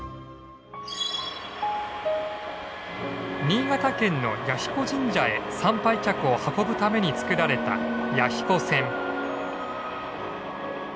新潟県の彌彦神社へ参拝客を運ぶために作られた弥彦線。